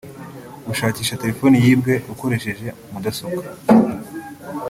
gushakisha telefoni yibwe ukoresheje mudasobwa